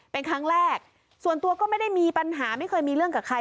เป็นครั้งแรกส่วนตัวก็ไม่ได้มีปัญหาไม่เคยมีเรื่องกับใคร